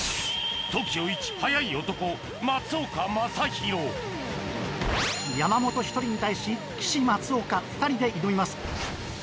いち速い男山本１人に対し岸松岡２人で挑みます。